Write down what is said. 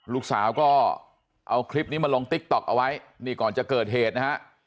ลูกสาวก็เอาคลิปนี้มาลงติ๊กต๊อกเอาไว้นี่ก่อนจะเกิดเหตุนะฮะ